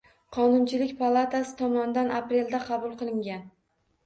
Qonunchilik palatasi tomonidan aprelda qabul qilingan